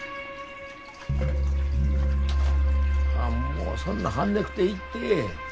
ああもうそんな貼んねくていいって。